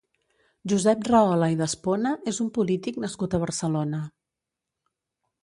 Josep Rahola i d'Espona és un polític nascut a Barcelona.